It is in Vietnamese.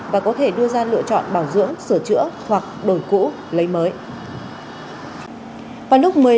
và có thể đưa ra lựa chọn bảo dưỡng sửa chữa hoặc đổi cũ lấy mới